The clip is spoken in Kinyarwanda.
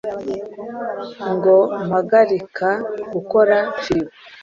“Ngo mpagarika gukora firigo